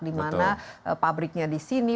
dimana pabriknya di sini